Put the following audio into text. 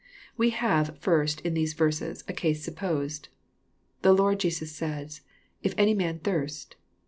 We have, first, in these verses, a case supposed. The Lord Jesus says, " If any man thirst."